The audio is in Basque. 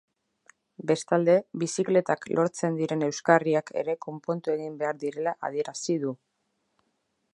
Bestalde, bizikletak lotzen diren euskarriak ere konpondu egin behar direla adierazi du.